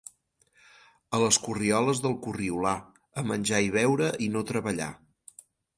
A les corrioles del corriolar, a menjar i beure i no treballar.